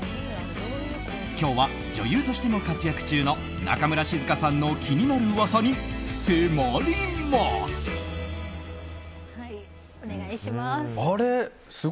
今日は女優としても活躍中の中村静香さんの気になる噂に迫ります。